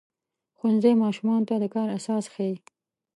ښوونځی ماشومانو ته د کار اساس ښيي.